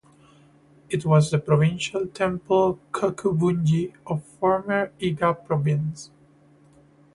It was the provincial temple ("kokubunji") of former Iga Province.